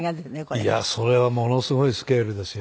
いやあそれはものすごいスケールですよ。